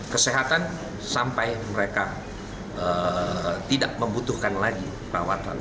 kesehatan sampai mereka tidak membutuhkan lagi perawatan